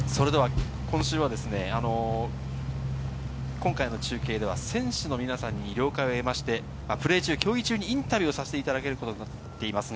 今回は選手の皆さんに了解を得て、プレー中にインタビューをさせていただけることになっています。